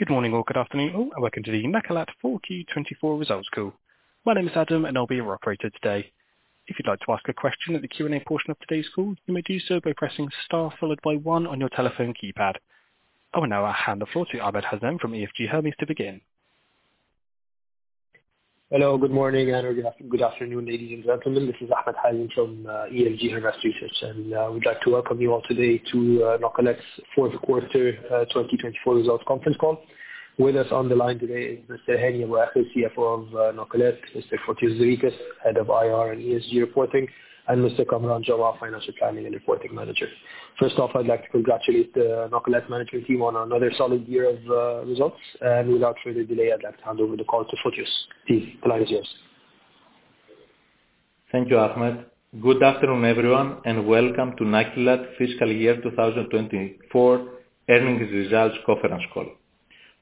Good morning or good afternoon, and welcome to the Nakilat 4Q 2024 results call. My name is Adam, and I'll be your operator today. If you'd like to ask a question in the Q&A portion of today's call, you may do so by pressing star followed by one on your telephone keypad. I will now hand the floor to Ahmed Hazem from EFG Hermes to begin. Hello, good morning, and good afternoon, ladies and gentlemen. This is Ahmed Hazem from EFG Hermes Research, and we'd like to welcome you all today to Nakilat's fourth quarter 2024 results conference call. With us on the line today is Mr. Hani Abuaker, CFO of Nakilat, Mr. Fotios Zeritis, Head of IR and ESG Reporting, and Mr. Kamaran Jomah, financial planning and reporting manager. First off, I'd like to congratulate the Nakilat management team on another solid year of results. And without further delay, I'd like to hand over the call to Fotios. The line is yours. Thank you, Ahmed. Good afternoon, everyone, and welcome to Nakilat Fiscal Year 2024 Earnings Results Conference Call.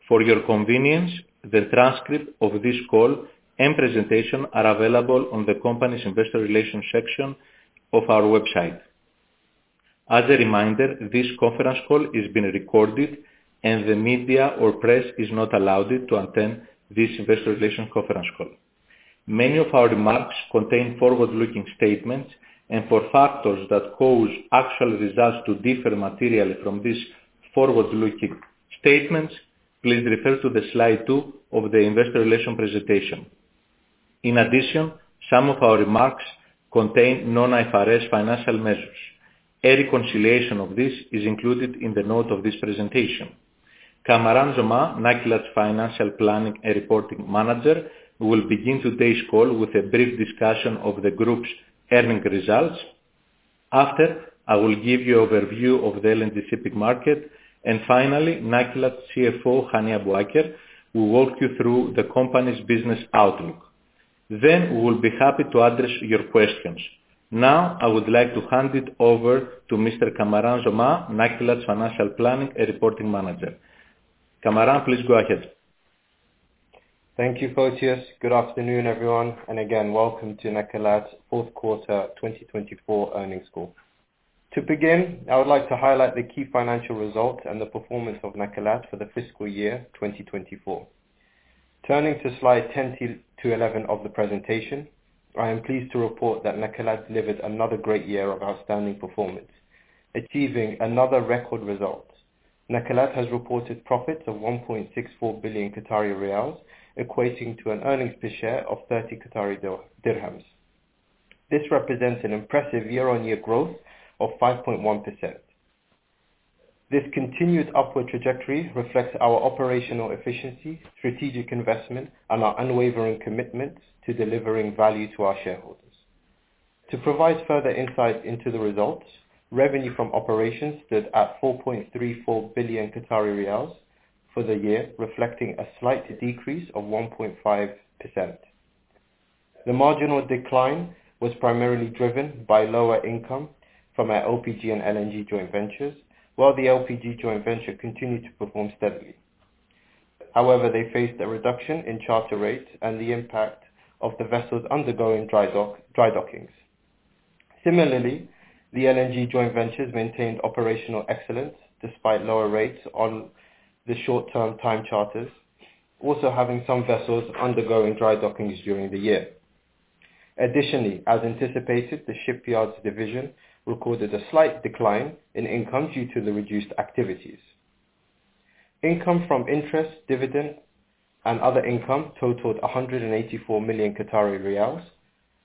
For your convenience, the transcript of this call and presentation are available on the company's investor relations section of our website. As a reminder, this conference call is being recorded, and the media or press is not allowed to attend this investor relations conference call. Many of our remarks contain forward-looking statements, and for factors that cause actual results to differ materially from these forward-looking statements, please refer to slide two of the investor relations presentation. In addition, some of our remarks contain non-IFRS financial measures. A reconciliation of this is included in the note of this presentation. Kamaran Jomah, Nakilat's financial planning and reporting manager, will begin today's call with a brief discussion of the group's earnings results. After, I will give you an overview of the LNG spot market. Finally, Nakilat CFO Hani Abuaker will walk you through the company's business outlook. Then, we will be happy to address your questions. Now, I would like to hand it over to Mr. Kamaran Jomah, Nakilat's Financial Planning and Reporting Manager. Kamaran, please go ahead. Thank you, Fotios. Good afternoon, everyone. And again, welcome to Nakilat's fourth quarter 2024 earnings call. To begin, I would like to highlight the key financial results and the performance of Nakilat for the fiscal year 2024. Turning to slide 10 to 11 of the presentation, I am pleased to report that Nakilat delivered another great year of outstanding performance, achieving another record result. Nakilat has reported profits of 1.64 billion Qatari riyals, equating to an earnings per share of QAR 0.30. This represents an impressive year-on-year growth of 5.1%. This continued upward trajectory reflects our operational efficiency, strategic investment, and our unwavering commitment to delivering value to our shareholders. To provide further insight into the results, revenue from operations stood at 4.34 billion Qatari riyals for the year, reflecting a slight decrease of 1.5%. The marginal decline was primarily driven by lower income from our LPG and LNG joint ventures, while the LPG joint venture continued to perform steadily. However, they faced a reduction in charter rates and the impact of the vessels undergoing dry dockings. Similarly, the LNG joint ventures maintained operational excellence despite lower rates on the short-term time charters, also having some vessels undergoing dry dockings during the year. Additionally, as anticipated, the shipyards division recorded a slight decline in income due to the reduced activities. Income from interest, dividend, and other income totaled 184 million Qatari riyals,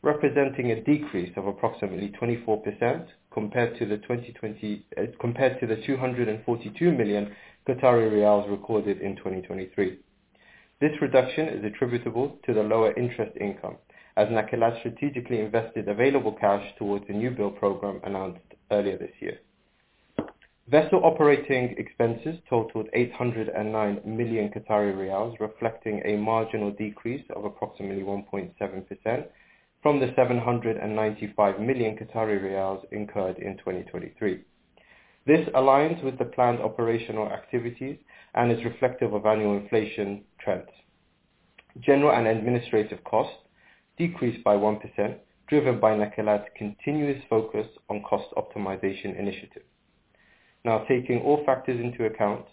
representing a decrease of approximately 24% compared to the 242 million Qatari riyals recorded in 2023. This reduction is attributable to the lower interest income, as Nakilat strategically invested available cash towards the new build program announced earlier this year. Vessel operating expenses totaled 809 million Qatari riyals, reflecting a marginal decrease of approximately 1.7% from the 795 million Qatari riyals incurred in 2023. This aligns with the planned operational activities and is reflective of annual inflation trends. General and administrative costs decreased by 1%, driven by Nakilat's continuous focus on cost optimization initiatives. Now, taking all factors into account,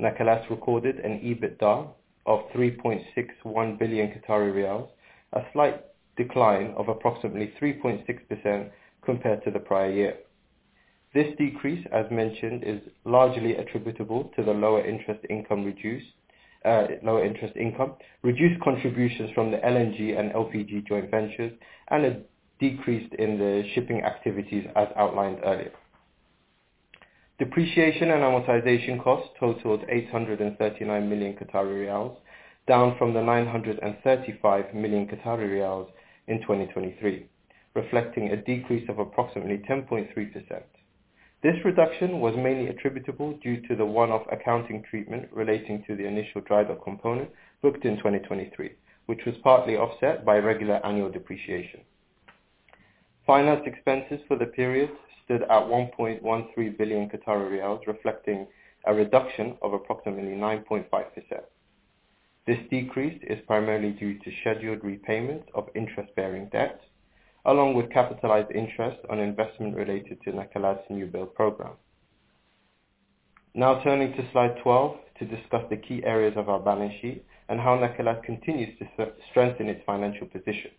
Nakilat recorded an EBITDA of 3.61 billion Qatari riyals, a slight decline of approximately 3.6% compared to the prior year. This decrease, as mentioned, is largely attributable to the lower interest income, reduced contributions from the LNG and LPG joint ventures, and a decrease in the shipping activities, as outlined earlier. Depreciation and amortization costs totaled 839 million Qatari riyals, down from the 935 million Qatari riyals in 2023, reflecting a decrease of approximately 10.3%. This reduction was mainly attributable due to the one-off accounting treatment relating to the initial dry dock component booked in 2023, which was partly offset by regular annual depreciation. Finance expenses for the period stood at 1.13 billion Qatari riyals, reflecting a reduction of approximately 9.5%. This decrease is primarily due to scheduled repayments of interest-bearing debt, along with capitalized interest on investment related to Nakilat's new build program. Now, turning to slide 12 to discuss the key areas of our balance sheet and how Nakilat continues to strengthen its financial position.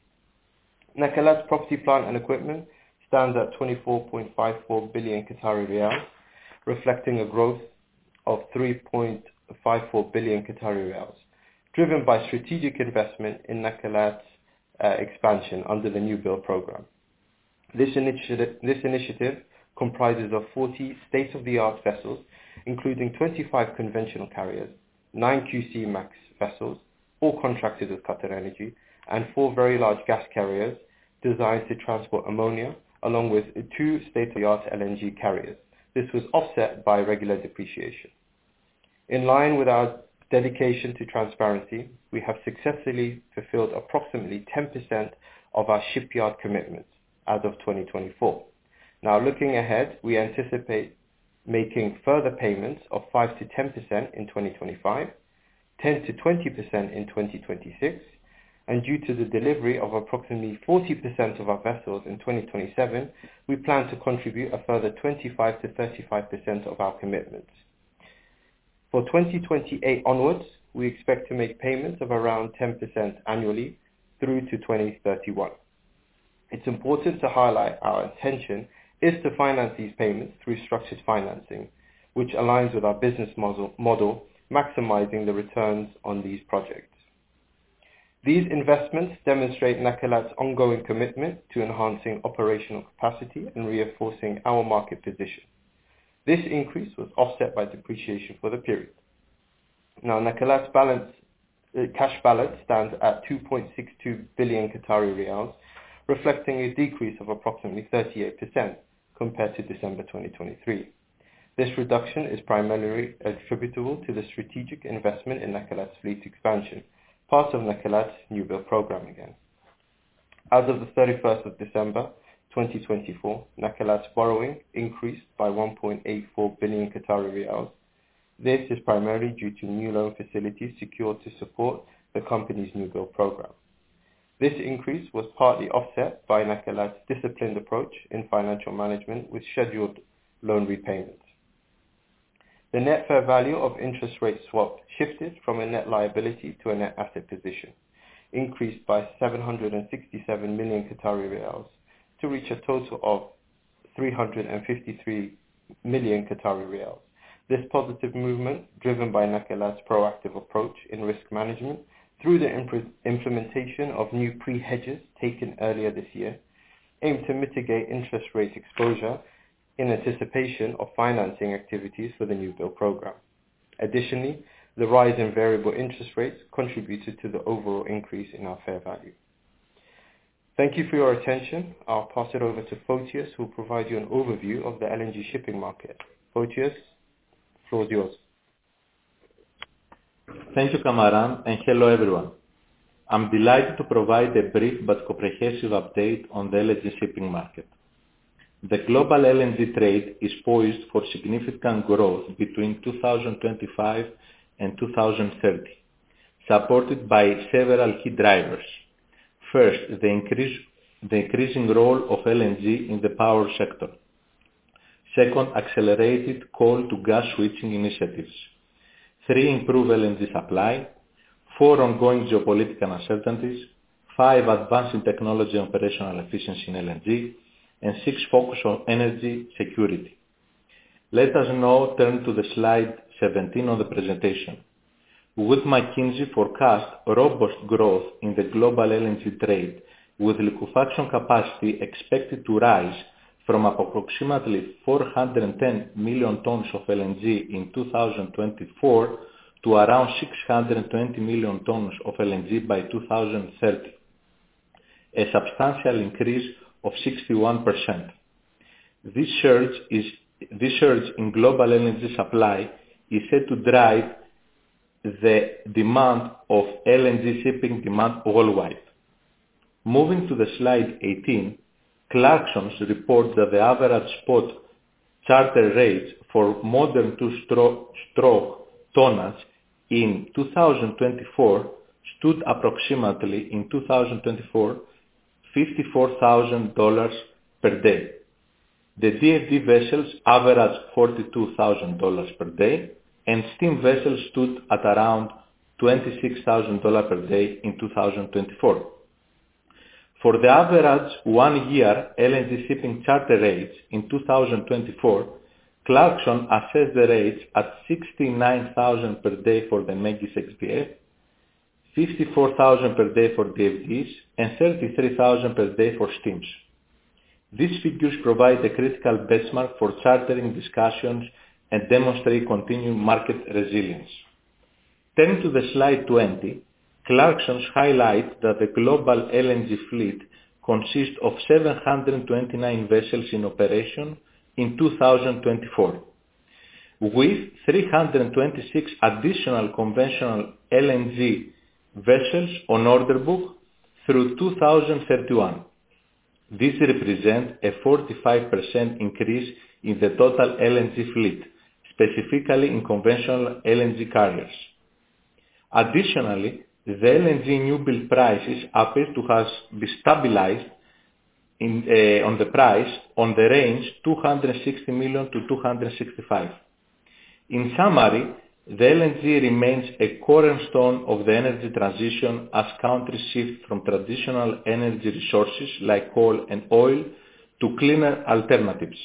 Nakilat's property, plant and equipment stands at 24.54 billion Qatari riyal, reflecting a growth of 3.54 billion Qatari riyal, driven by strategic investment in Nakilat's expansion under the new build program. This initiative comprises of 40 state-of-the-art vessels, including 25 conventional carriers, 9 QC-Max vessels, all contracted with QatarEnergy, and four very large gas carriers designed to transport ammonia, along with two state-of-the-art LNG carriers. This was offset by regular depreciation. In line with our dedication to transparency, we have successfully fulfilled approximately 10% of our shipyard commitments as of 2024. Now, looking ahead, we anticipate making further payments of 5%-10% in 2025, 10%-20% in 2026, and due to the delivery of approximately 40% of our vessels in 2027, we plan to contribute a further 25%-35% of our commitments. For 2028 onwards, we expect to make payments of around 10% annually through to 2031. It's important to highlight our intention is to finance these payments through structured financing, which aligns with our business model, maximizing the returns on these projects. These investments demonstrate Nakilat's ongoing commitment to enhancing operational capacity and reinforcing our market position. This increase was offset by depreciation for the period. Now, Nakilat's cash balance stands at 2.62 billion Qatari riyals, reflecting a decrease of approximately 38% compared to December 2023. This reduction is primarily attributable to the strategic investment in Nakilat's fleet expansion, part of Nakilat's newbuild program again. As of the 31st of December 2024, Nakilat's borrowing increased by 1.84 billion Qatari riyals. This is primarily due to new loan facilities secured to support the company's newbuild program. This increase was partly offset by Nakilat's disciplined approach in financial management with scheduled loan repayments. The net fair value of interest rate swap shifted from a net liability to a net asset position, increased by 767 million to reach a total of 353 million. This positive movement, driven by Nakilat's proactive approach in risk management through the implementation of new pre-hedges taken earlier this year, aimed to mitigate interest rate exposure in anticipation of financing activities for the newbuild program. Additionally, the rise in variable interest rates contributed to the overall increase in our fair value. Thank you for your attention. I'll pass it over to Fotios, who will provide you an overview of the LNG shipping market. Fotios, the floor is yours. Thank you, Kamaran, and hello everyone. I'm delighted to provide a brief but comprehensive update on the LNG shipping market. The global LNG trade is poised for significant growth between 2025 and 2030, supported by several key drivers. First, the increasing role of LNG in the power sector. Second, accelerated coal to gas switching initiatives. Three, improved LNG supply. Four, ongoing geopolitical uncertainties. Five, advancing technology and operational efficiency in LNG. And six, focus on energy security. Let us now turn to slide 17 of the presentation. With McKinsey forecast robust growth in the global LNG trade, with liquefaction capacity expected to rise from approximately 410 million tons of LNG in 2024 to around 620 million tons of LNG by 2030, a substantial increase of 61%. This surge in global LNG supply is said to drive the demand of LNG shipping demand worldwide. Moving to slide 18, Clarksons reports that the average spot charter rates for modern two-stroke tonnage in 2024 stood approximately $54,000 per day. The DFDE vessels averaged $42,000 per day, and steam vessels stood at around $26,000 per day in 2024. For the average one-year LNG shipping charter rates in 2024, Clarksons assessed the rates at $69,000 per day for the ME-GI/X-DF, $54,000 per day for DFDEs, and $33,000 per day for steams. These figures provide a critical benchmark for chartering discussions and demonstrate continued market resilience. Turning to slide 20, Clarksons highlights that the global LNG fleet consists of 729 vessels in operation in 2024, with 326 additional conventional LNG vessels on order book through 2031. This represents a 45% increase in the total LNG fleet, specifically in conventional LNG carriers. Additionally, the LNG newbuild prices appear to have stabilized in the price range $260 million-$265 million. In summary, the LNG remains a cornerstone of the energy transition as countries shift from traditional energy resources like coal and oil to cleaner alternatives.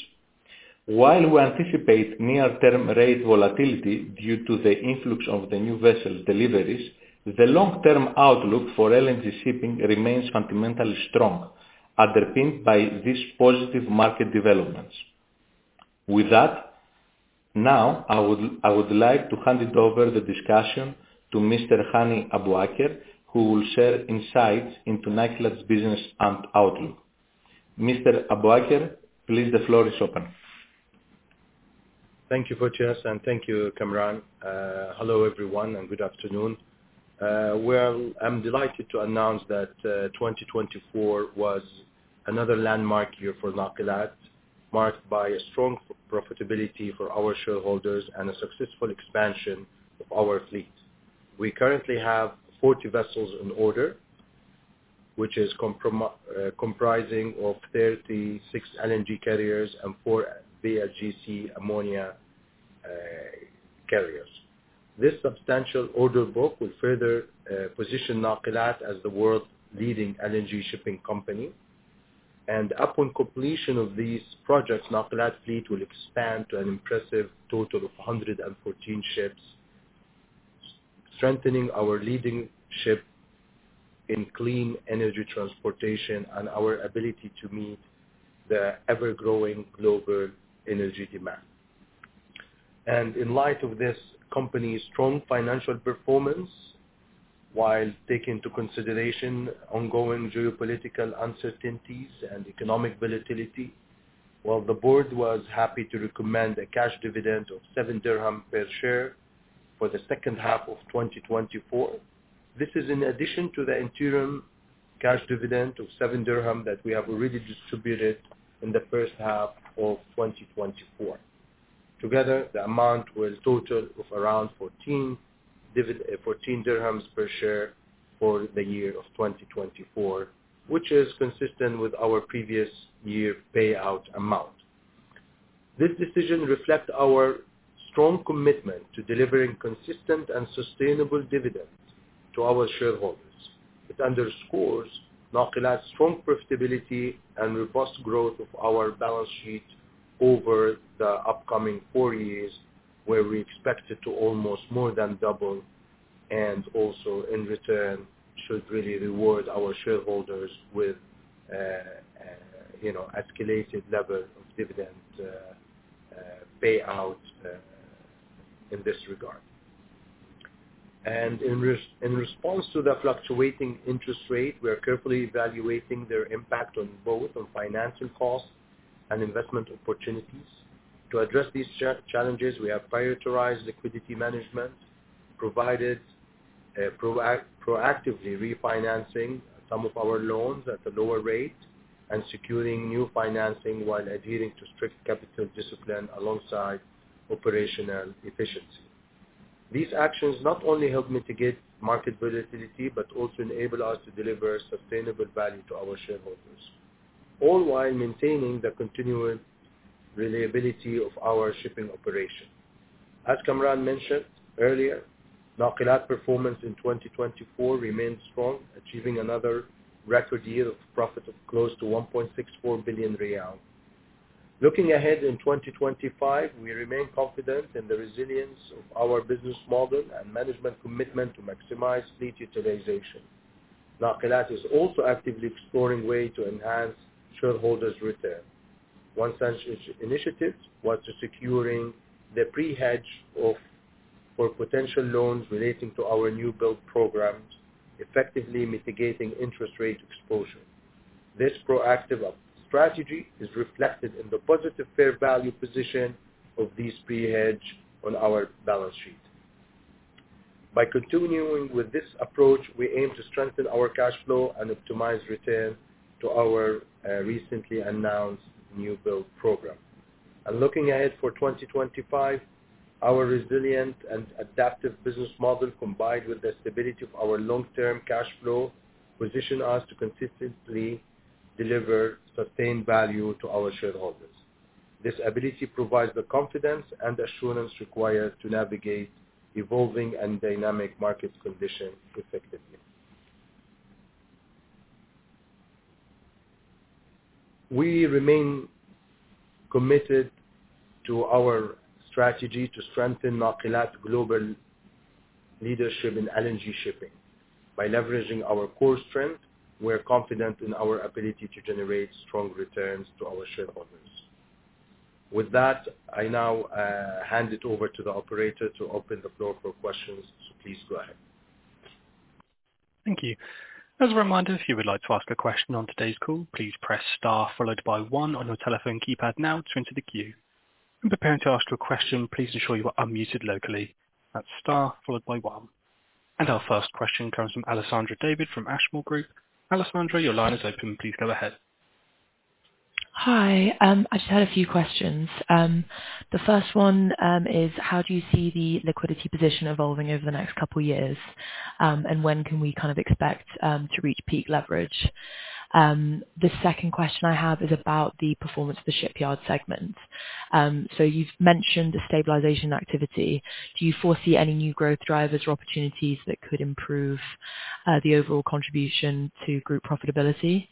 While we anticipate near-term rate volatility due to the influx of the new vessel deliveries, the long-term outlook for LNG shipping remains fundamentally strong, underpinned by these positive market developments. With that, now I would like to hand over the discussion to Mr. Hani Abuaker, who will share insights into Nakilat's business and outlook. Mr. Abuaker, please, the floor is open. Thank you, Fotios, and thank you, Kamaran. Hello everyone and good afternoon. I'm delighted to announce that 2024 was another landmark year for Nakilat, marked by a strong profitability for our shareholders and a successful expansion of our fleet. We currently have 40 vessels on order, which is comprising of 36 LNG carriers and four VLGC ammonia carriers. This substantial order book will further position Nakilat as the world's leading LNG shipping company. Upon completion of these projects, Nakilat fleet will expand to an impressive total of 114 ships, strengthening our leadership in clean energy transportation and our ability to meet the ever-growing global energy demand. In light of this company's strong financial performance, while taking into consideration ongoing geopolitical uncertainties and economic volatility, while the board was happy to recommend a cash dividend of QAR 0.07 per share for the second half of 2024, this is in addition to the interim cash dividend of QAR 0.07 that we have already distributed in the first half of 2024. Together, the amount will total around QAR 0.14 per share for the year of 2024, which is consistent with our previous year payout amount. This decision reflects our strong commitment to delivering consistent and sustainable dividends to our shareholders. It underscores Nakilat's strong profitability and robust growth of our balance sheet over the upcoming four years, where we expect it to almost more than double and also in return should really reward our shareholders with an escalated level of dividend payout in this regard. In response to the fluctuating interest rate, we are carefully evaluating their impact on both financial costs and investment opportunities. To address these challenges, we have prioritized liquidity management, proactively refinancing some of our loans at a lower rate, and securing new financing while adhering to strict capital discipline alongside operational efficiency. These actions not only help mitigate market volatility but also enable us to deliver sustainable value to our shareholders, all while maintaining the continued reliability of our shipping operation. As Kamaran mentioned earlier, Nakilat's performance in 2024 remains strong, achieving another record year of profit of close to 1.64 billion riyals. Looking ahead in 2025, we remain confident in the resilience of our business model and management commitment to maximize fleet utilization. Nakilat is also actively exploring ways to enhance shareholders' return. One such initiative was securing the pre-hedge for potential loans relating to our newbuild programs, effectively mitigating interest rate exposure. This proactive strategy is reflected in the positive fair value position of these pre-hedges on our balance sheet. By continuing with this approach, we aim to strengthen our cash flow and optimize returns to our recently announced newbuild program, and looking ahead for 2025, our resilient and adaptive business model, combined with the stability of our long-term cash flow, positions us to consistently deliver sustained value to our shareholders. This ability provides the confidence and assurance required to navigate evolving and dynamic market conditions effectively. We remain committed to our strategy to strengthen Nakilat's global leadership in LNG shipping. By leveraging our core strengths, we are confident in our ability to generate strong returns to our shareholders. With that, I now hand it over to the operator to open the floor for questions. So please go ahead. Thank you. As a reminder, if you would like to ask a question on today's call, please press star followed by one on your telephone keypad now to enter the queue. In preparing to ask your question, please ensure you are unmuted locally. That's star followed by one. And our first question comes from Alessandra David from Ashmore Group. Alessandra, your line is open. Please go ahead. Hi. I just had a few questions. The first one is, how do you see the liquidity position evolving over the next couple of years, and when can we kind of expect to reach peak leverage? The second question I have is about the performance of the shipyard segment. So you've mentioned the stabilization activity. Do you foresee any new growth drivers or opportunities that could improve the overall contribution to group profitability?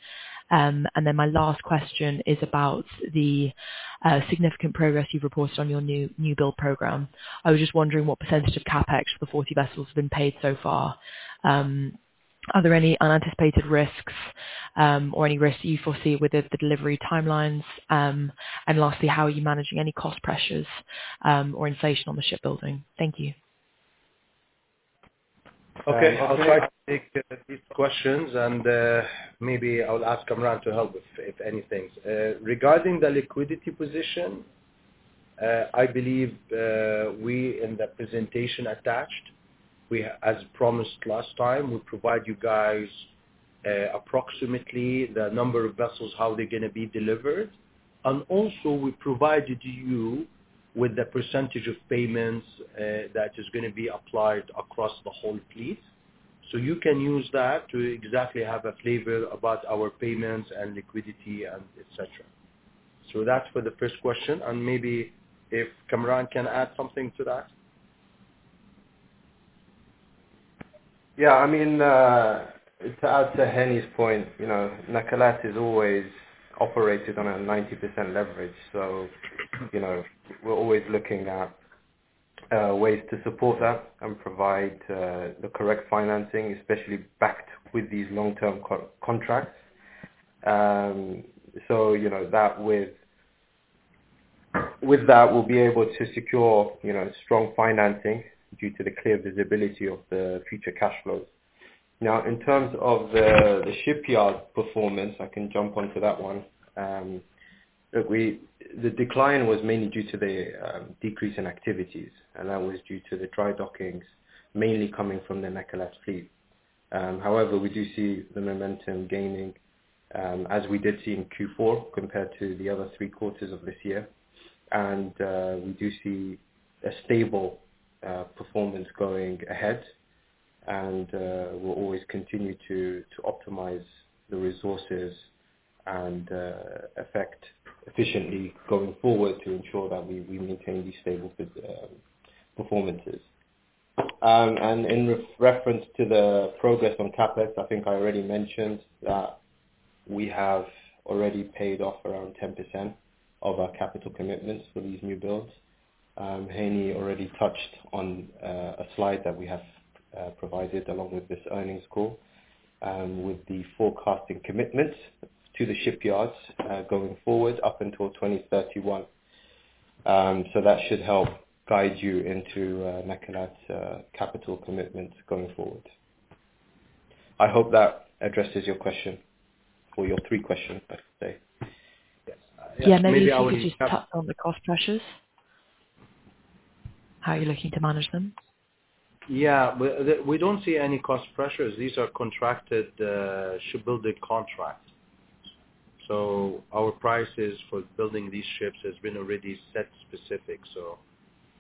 And then my last question is about the significant progress you've reported on your new build program. I was just wondering what percentage of CapEx for the 40 vessels has been paid so far. Are there any unanticipated risks or any risks you foresee with the delivery timelines? And lastly, how are you managing any cost pressures or inflation on the shipbuilding? Thank you. Okay. I'll try to take these questions, and maybe I'll ask Kamaran to help if anything. Regarding the liquidity position, I believe we in the presentation attached, as promised last time, we provide you guys approximately the number of vessels, how they're going to be delivered. And also, we provided you with the percentage of payments that is going to be applied across the whole fleet. So you can use that to exactly have a flavor about our payments and liquidity, etc. So that's for the first question. And maybe if Kamaran can add something to that. Yeah. I mean, to add to Hani's point, Nakilat has always operated on a 90% leverage. So we're always looking at ways to support that and provide the correct financing, especially backed with these long-term contracts. So with that, we'll be able to secure strong financing due to the clear visibility of the future cash flows. Now, in terms of the shipyard performance, I can jump onto that one. The decline was mainly due to the decrease in activities, and that was due to the dry dockings mainly coming from the Nakilat fleet. However, we do see the momentum gaining, as we did see in Q4 compared to the other three quarters of this year, and we do see a stable performance going ahead, and we'll always continue to optimize the resources and operate efficiently going forward to ensure that we maintain these stable performances. In reference to the progress on CapEx, I think I already mentioned that we have already paid off around 10% of our capital commitments for these new builds. Hani already touched on a slide that we have provided along with this earnings call with the forecasting commitments to the shipyards going forward up until 2031. So that should help guide you into Nakilat's capital commitments going forward. I hope that addresses your question or your three questions, I should say. Yeah. Maybe I would just touch on the cost pressures. How are you looking to manage them? Yeah. We don't see any cost pressures. These are contracted shipbuilding contracts. So our prices for building these ships have been already set specific. So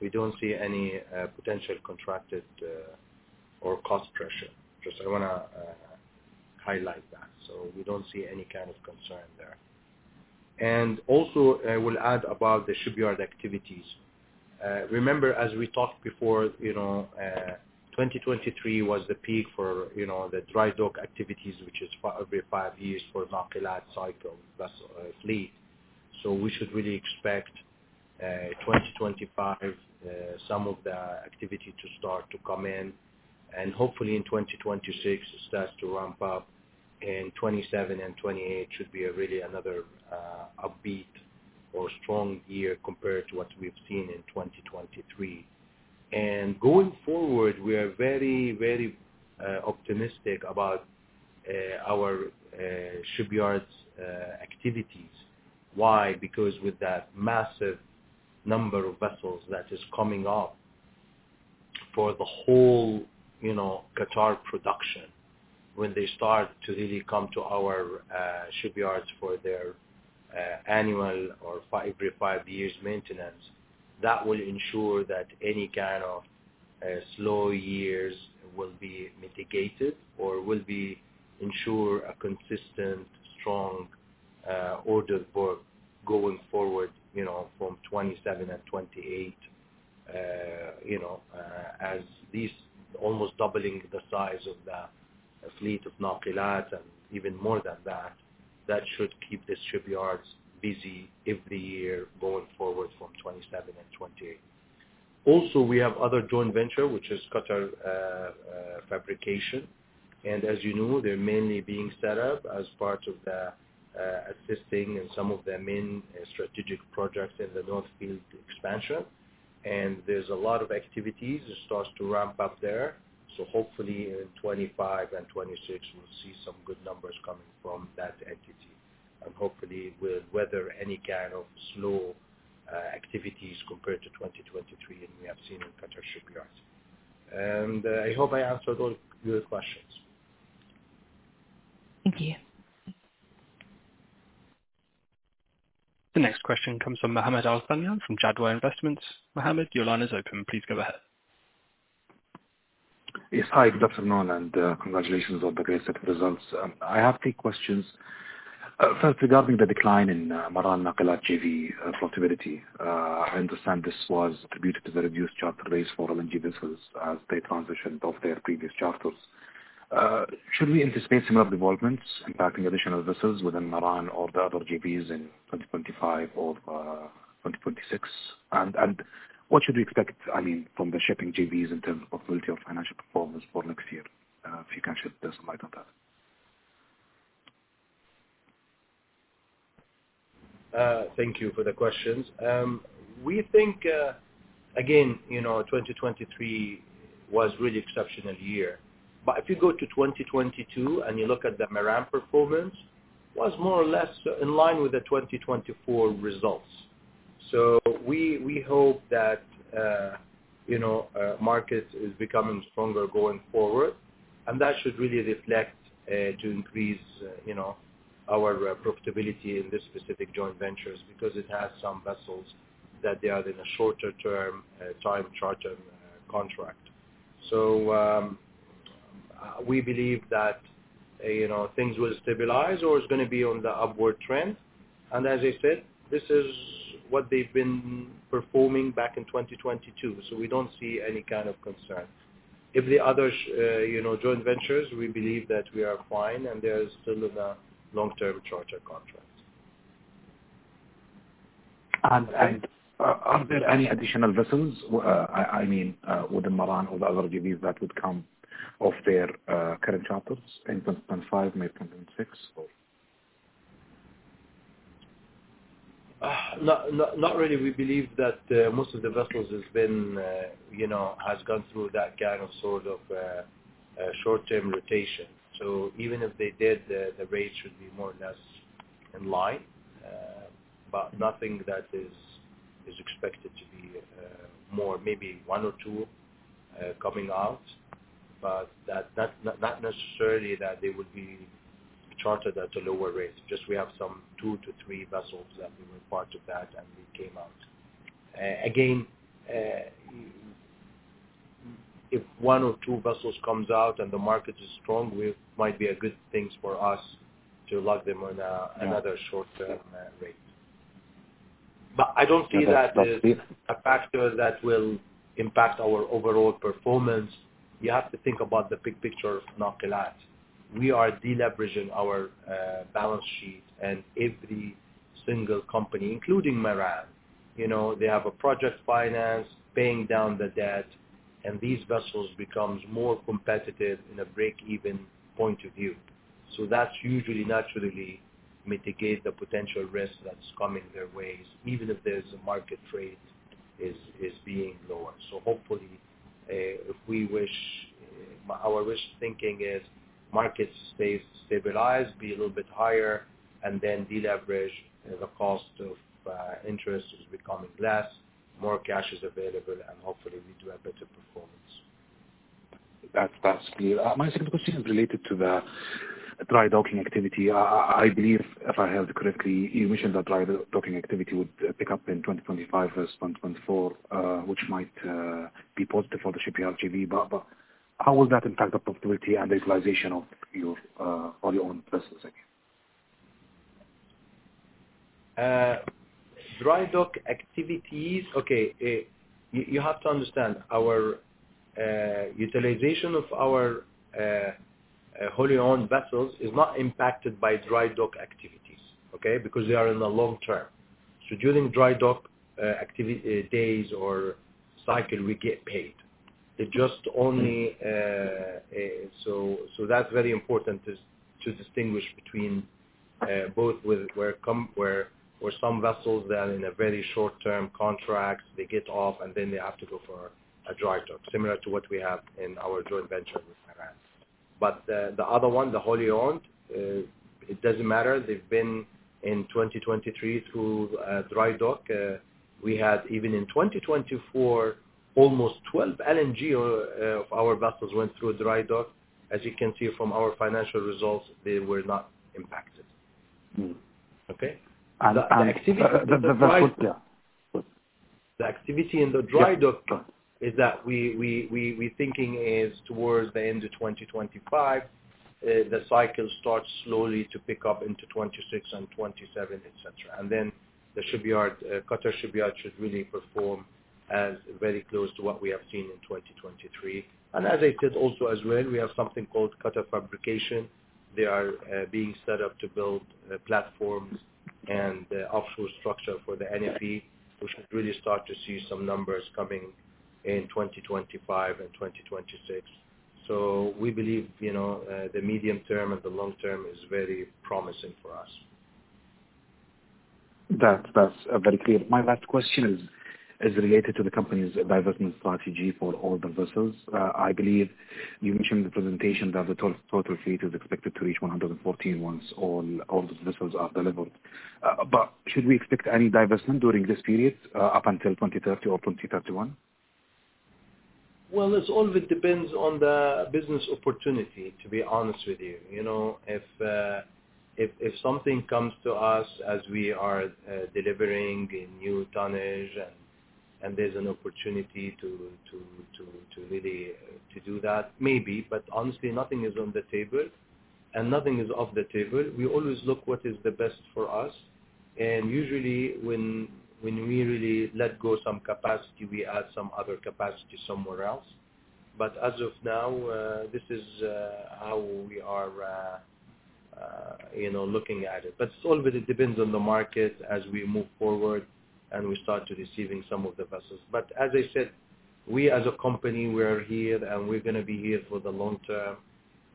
we don't see any potential contracted or cost pressure. Just, I want to highlight that. So we don't see any kind of concern there. And also, I will add about the shipyard activities. Remember, as we talked before, 2023 was the peak for the dry dock activities, which is every five years for Nakilat cycle fleet. So we should really expect 2025, some of the activity to start to come in. And hopefully, in 2026, it starts to ramp up. And 2027 and 2028 should be really another upbeat or strong year compared to what we've seen in 2023. And going forward, we are very, very optimistic about our shipyard activities. Why? Because with that massive number of vessels that is coming up for the whole Qatar production, when they start to really come to our shipyards for their annual or every five years maintenance, that will ensure that any kind of slow years will be mitigated or will ensure a consistent, strong order book going forward from 2027 and 2028, as these almost doubling the size of the fleet of Nakilat and even more than that, that should keep the shipyards busy every year going forward from 2027 and 2028. Also, we have other joint ventures, which is Qatar Fabrication, and as you know, they're mainly being set up as part of the assisting in some of the main strategic projects in the North Field Expansion, and there's a lot of activities. It starts to ramp up there. So hopefully, in 2025 and 2026, we'll see some good numbers coming from that entity. And hopefully, it will weather any kind of slow activities compared to 2023 and we have seen in Qatar Shipyards. And I hope I answered all your questions. Thank you. The next question comes from Mohammed Al-Thunayan from Jadwa Investment. Mohammed, your line is open. Please go ahead. Yes. Hi, good afternoon. Congratulations on the great set of results. I have three questions. First, regarding the decline in Maran Nakilat JV profitability, I understand this was attributed to the reduced charter rates for LNG vessels as they transitioned off their previous charters. Should we anticipate similar developments impacting additional vessels within Maran or the other JVs in 2025 or 2026? And what should we expect, I mean, from the shipping JVs in terms of ability of financial performance for next year? If you can shed some light on that. Thank you for the questions. We think, again, 2023 was really an exceptional year. But if you go to 2022 and you look at the Maran performance, it was more or less in line with the 2024 results. So we hope that market is becoming stronger going forward. And that should really reflect to increase our profitability in this specific joint ventures because it has some vessels that they are in a shorter-term time charter contract. So we believe that things will stabilize or it's going to be on the upward trend. And as I said, this is what they've been performing back in 2022. So we don't see any kind of concern. If the other joint ventures, we believe that we are fine and they are still in the long-term charter contract. And are there any additional vessels, I mean, within Maran or the other JVs that would come off their current charters in 2025, May 2026? Not really. We believe that most of the vessels have gone through that kind of sort of short-term rotation. So even if they did, the rate should be more or less in line. But nothing that is expected to be more, maybe one or two coming out. But not necessarily that they will be chartered at a lower rate. Just we have some two to three vessels that were part of that and they came out. Again, if one or two vessels come out and the market is strong, it might be a good thing for us to lock them on another short-term rate. But I don't see that as a factor that will impact our overall performance. You have to think about the big picture of Nakilat. We are deleveraging our balance sheet. And every single company, including Maran, they have a project finance, paying down the debt, and these vessels become more competitive in a break-even point of view. So that's usually naturally mitigates the potential risk that's coming their ways, even if the market rate is being lower. So hopefully, if we wish, our wishful thinking is market stays stabilized, be a little bit higher, and then deleverage, the cost of interest is becoming less, more cash is available, and hopefully, we do have better performance. That's clear. My second question is related to the dry docking activity. I believe, if I heard you correctly, you mentioned that dry docking activity would pick up in 2025 versus 2024, which might be positive for the shipyard JV. But how will that impact the profitability and utilization of your own vessels again? Dry dock activities, okay. You have to understand our utilization of our wholly owned vessels is not impacted by dry dock activities, okay, because they are in the long term. So during dry dock days or cycle, we get paid. So that's very important to distinguish between both where some vessels are in a very short-term contract, they get off, and then they have to go for a dry dock, similar to what we have in our joint venture with Maran. But the other one, the wholly owned, it doesn't matter. They've been in 2023 through dry dock. We had even in 2024, almost 12 LNG of our vessels went through dry dock. As you can see from our financial results, they were not impacted. Okay? And the activity in the dry dock is that we're thinking is towards the end of 2025, the cycle starts slowly to pick up into 2026 and 2027, etc. And then the Qatar Shipyard should really perform as very close to what we have seen in 2023. And as I said also as well, we have something called Qatar Fabrication. They are being set up to build platforms and offshore structure for the NFE, which should really start to see some numbers coming in 2025 and 2026. So we believe the medium term and the long term is very promising for us. That's very clear. My last question is related to the company's divestment strategy for all the vessels. I believe you mentioned in the presentation that the total fleet is expected to reach 114 once all the vessels are delivered. Should we expect any divestment during this period up until 2030 or 2031? Well, it always depends on the business opportunity, to be honest with you. If something comes to us as we are delivering new tonnage and there's an opportunity to really do that, maybe. But honestly, nothing is on the table and nothing is off the table. We always look at what is the best for us. And usually, when we really let go of some capacity, we add some other capacity somewhere else. But as of now, this is how we are looking at it. But it always depends on the market as we move forward and we start receiving some of the vessels. But as I said, we as a company, we are here and we're going to be here for the long term.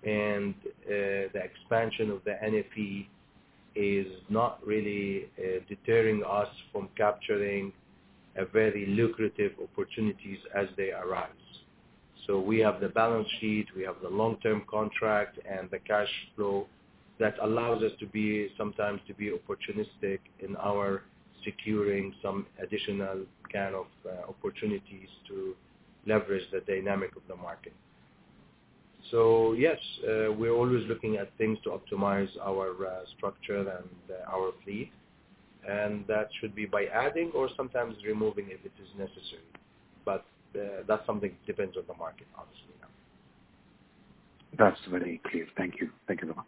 And the expansion of the NFE is not really deterring us from capturing very lucrative opportunities as they arise. So we have the balance sheet, we have the long-term contract, and the cash flow that allows us sometimes to be opportunistic in our securing some additional kind of opportunities to leverage the dynamic of the market. So yes, we're always looking at things to optimize our structure and our fleet. And that should be by adding or sometimes removing if it is necessary. But that's something that depends on the market, obviously. That's very clear. Thank you. Thank you very much.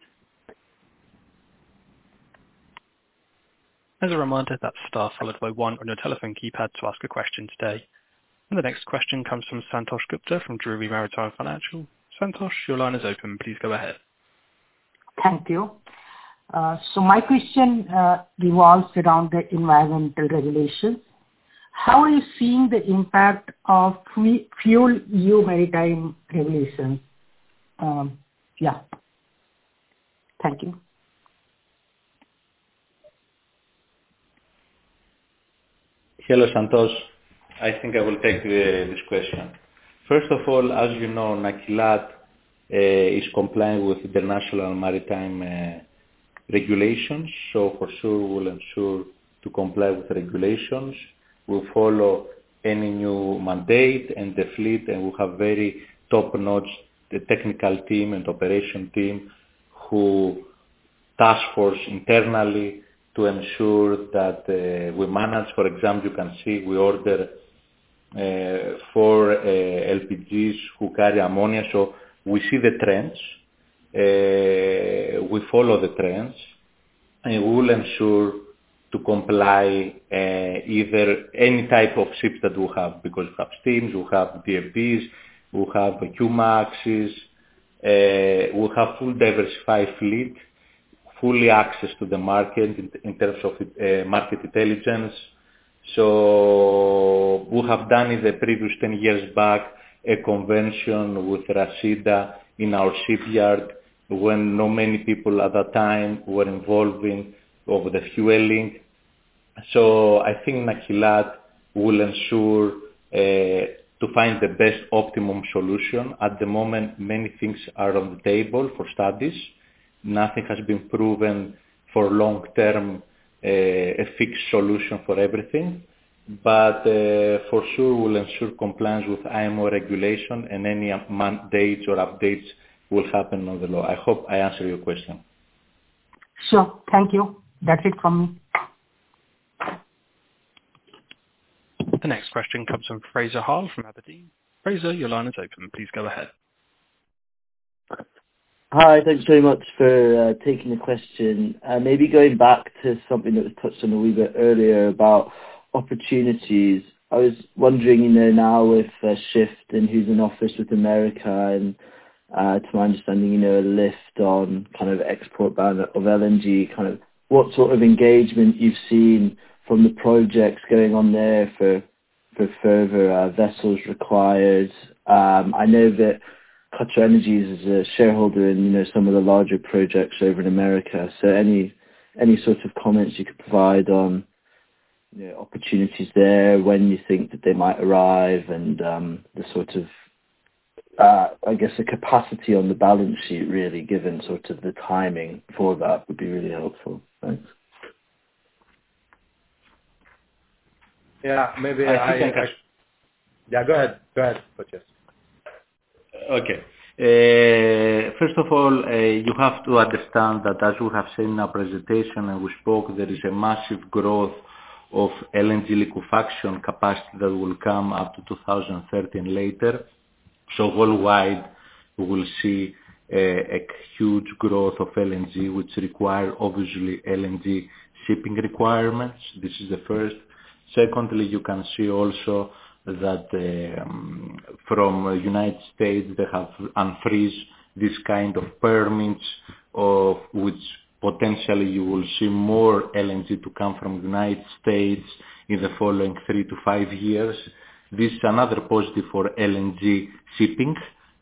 As a reminder, that's star followed by one on your telephone keypad to ask a question today. And the next question comes from Santosh Gupta from Drewry Maritime Financial. Santosh, your line is open. Please go ahead. Thank you. So my question revolves around the environmental regulations. How are you seeing the impact of FuelEU Maritime regulations? Yeah. Thank you. Hello, Santosh. I think I will take this question. First of all, as you know, Nakilat is compliant with international maritime regulations, so for sure, we'll ensure to comply with regulations. We'll follow any new mandate and the fleet, and we'll have very top-notch technical team and operation team who task force internally to ensure that we manage. For example, you can see we order four LPGs who carry ammonia, so we see the trends. We follow the trends, and we will ensure to comply either any type of ship that we have because we have steams, we have DFDEs, we have Q-Maxes. We have fully diversified fleet, full access to the market in terms of market intelligence, so we have done in the previous 10 years back a conversion with RasGas in our shipyard when not many people at that time were involved in the fueling. So I think Nakilat will ensure to find the best optimum solution. At the moment, many things are on the table for studies. Nothing has been proven for long-term, a fixed solution for everything. But for sure, we'll ensure compliance with IMO regulation, and any mandates or updates will happen on the law. I hope I answered your question. Sure. Thank you. That's it from me. The next question comes from Fraser Harle from aberdeen. Fraser, your line is open. Please go ahead. Hi. Thank you very much for taking the question. Maybe going back to something that was touched on a wee bit earlier about opportunities. I was wondering now with the shift and who's in office in America, and to my understanding, a lift on kind of export of LNG, kind of what sort of engagement you've seen from the projects going on there for further vessels required. I know that QatarEnergy is a shareholder in some of the larger projects over in America. So any sort of comments you could provide on opportunities there, when you think that they might arrive, and the sort of, I guess, the capacity on the balance sheet, really, given sort of the timing for that would be really helpful. Thanks. Yeah. Maybe I. Yeah, go ahead. Go ahead. Okay. First of all, you have to understand that, as we have seen in our presentation and we spoke, there is a massive growth of LNG liquefaction capacity that will come after 2030 and later. So worldwide, we will see a huge growth of LNG, which requires, obviously, LNG shipping requirements. This is the first. Secondly, you can see also that from the United States, they have unfrozen this kind of permits, which potentially you will see more LNG to come from the United States in the following three to five years. This is another positive for LNG shipping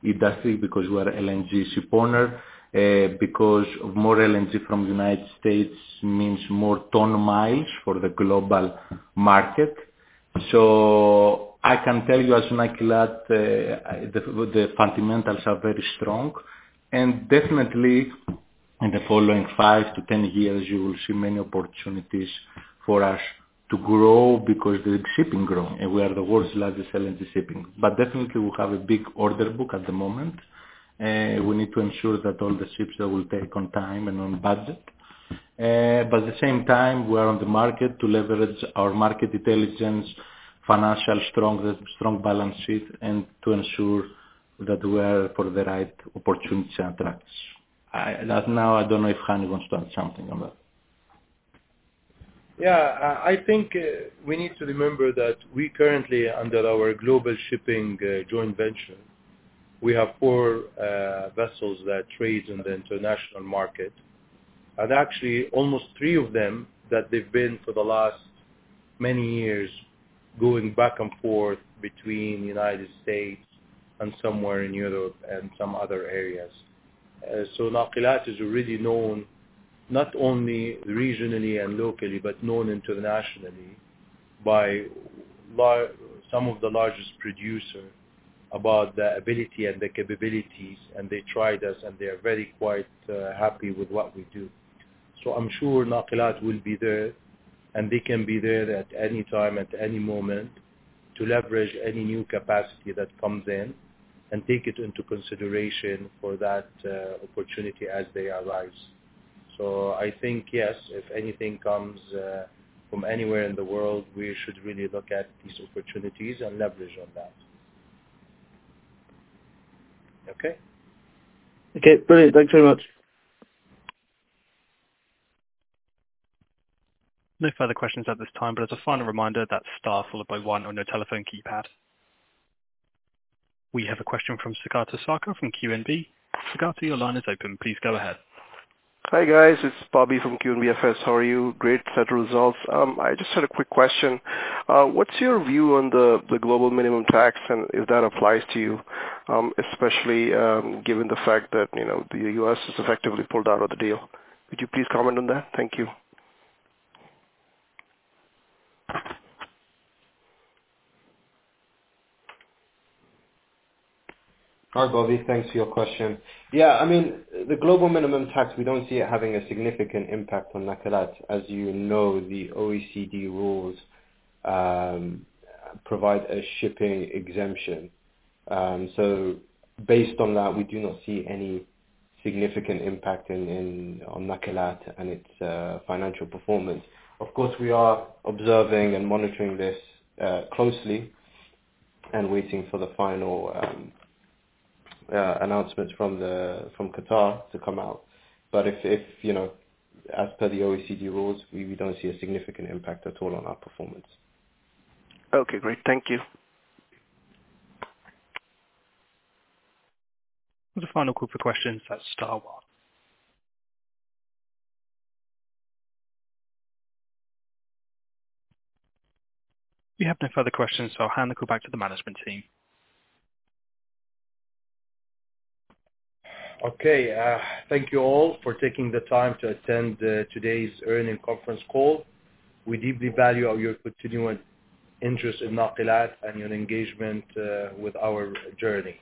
industry because we are an LNG ship owner. Because more LNG from the United States means more ton miles for the global market. So I can tell you, as Nakilat, the fundamentals are very strong. Definitely, in the following five to 10 years, you will see many opportunities for us to grow because the shipping grows. We are the world's largest LNG shipping. But definitely, we have a big order book at the moment. We need to ensure that all the ships will take on time and on budget. But at the same time, we are on the market to leverage our market intelligence, financial strong balance sheet, and to ensure that we are for the right opportunity attracts. Now, I don't know if Hani wants to add something on that. Yeah. I think we need to remember that we currently, under our global shipping joint venture, we have four vessels that trade in the international market. Actually, almost three of them that they've been for the last many years going back and forth between the United States and somewhere in Europe and some other areas. So Nakilat is already known not only regionally and locally, but known internationally by some of the largest producers about the ability and the capabilities. And they tried us, and they are very quite happy with what we do. So I'm sure Nakilat will be there, and they can be there at any time, at any moment, to leverage any new capacity that comes in and take it into consideration for that opportunity as they arise. So I think, yes, if anything comes from anywhere in the world, we should really look at these opportunities and leverage on that. Okay? Okay. Brilliant. Thanks very much. No further questions at this time. But as a final reminder, that's star followed by one on your telephone keypad. We have a question from Saugata Sarkar from QNB. Saugata, your line is open. Please go ahead. Hi guys. It's Bobby from QNBFS. How are you? Great set of results. I just had a quick question. What's your view on the global minimum tax and if that applies to you, especially given the fact that the U.S. has effectively pulled out of the deal? Could you please comment on that? Thank you. Hi, Bobby. Thanks for your question. Yeah. I mean, the global minimum tax, we don't see it having a significant impact on Nakilat. As you know, the OECD rules provide a shipping exemption. So based on that, we do not see any significant impact on Nakilat and its financial performance. Of course, we are observing and monitoring this closely and waiting for the final announcements from Qatar to come out. But as per the OECD rules, we don't see a significant impact at all on our performance. Okay. Great. Thank you. The final group of questions, that's star one. We have no further questions, so I'll hand the call back to the management team. Okay. Thank you all for taking the time to attend today's earnings conference call. We deeply value your continued interest in Nakilat and your engagement with our journey.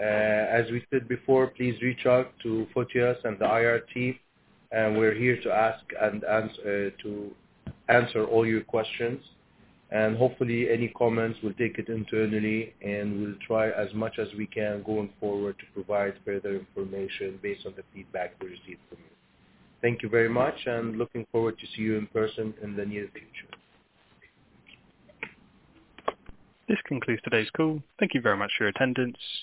As we said before, please reach out to Fotios and the IR team. We're here to ask and to answer all your questions. And hopefully, any comments we'll take it internally and we'll try as much as we can going forward to provide further information based on the feedback we receive from you. Thank you very much, and looking forward to seeing you in person in the near future. This concludes today's call. Thank you very much for your attendance.